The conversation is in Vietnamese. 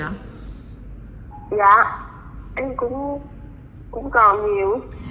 dạ em cũng còn nhiều